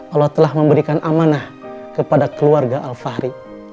allah telah memberikan amanah kepada keluarga alfahri